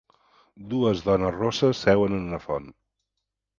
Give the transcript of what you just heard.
Dues dones rosses seuen en una font.